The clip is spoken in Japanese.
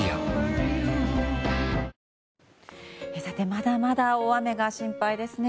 まだまだ大雨が心配ですね。